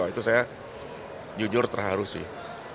itu saya jujur terharu sih